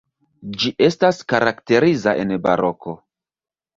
Ĝi estas karakteriza en baroko.